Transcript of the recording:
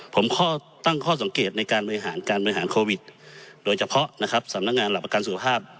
ผมข้อตั้งข้อสังเกตในการบริหารการบริหารโควิดโดยเฉพาะนะครับสำนักงานหลักประกันสุขภาพ